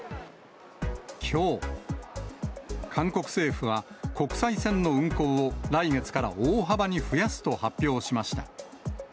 きょう、韓国政府は、国際線の運航を来月から大幅に増やすと発表しました。